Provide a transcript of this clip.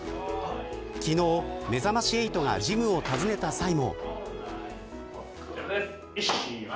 昨日、めざまし８がジムを訪ねた際も。